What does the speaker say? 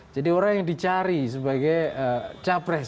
jadi orang yang dicari sebagai capres